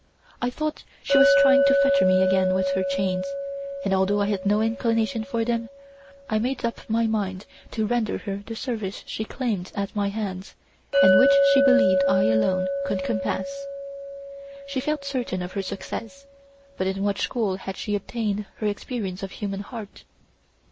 I thought she was trying to fetter me again with her chains; and although I had no inclination for them, I made up my mind to render her the service she claimed at my hands, and which she believed I alone could compass. She felt certain of her success, but in what school had she obtained her experience of the human heart?